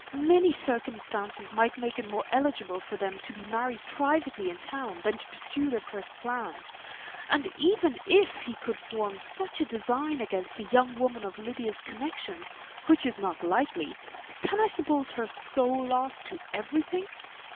Many circumstances might make it more eligible for them to be married privately in town than to pursue their first plan; and even if he could form such a design against a young woman of Lydia's connections, which is not likely, can I suppose her so lost to everything?